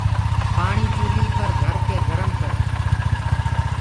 پآڻي چوليٚ پر ڌرڪي گرم ڪر۔